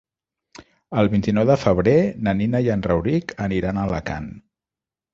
El vint-i-nou de febrer na Nina i en Rauric aniran a Alacant.